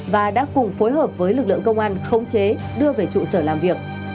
và đã cùng phối hợp với lực lượng công an khống chế đưa về trụ sở làm việc